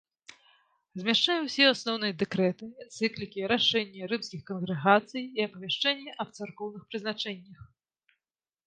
Змяшчае ўсе асноўныя дэкрэты, энцыклікі, рашэнні рымскіх кангрэгацый і апавяшчэнні аб царкоўных прызначэннях.